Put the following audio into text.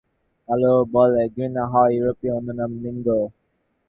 কালো বলে ঘৃণা হয়, ইউরোপীরা অন্য নাম নিনগে।